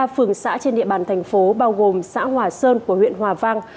ba phường xã trên địa bàn thành phố bao gồm xã hòa sơn của huyện hòa vang